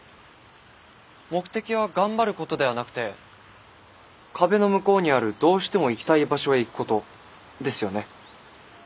目的は頑張ることではなくて壁の向こうにあるどうしても行きたい場所へ行くことですよね？